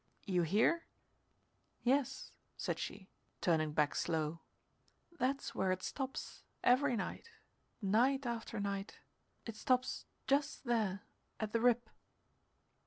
You you hear?" "Yes," said she, turning back slow. "That's where it stops every night night after night it stops just there at the rip."